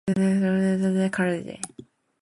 She was the first Lady Principal of Vassar College.